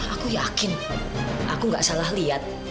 aku yakin aku gak salah lihat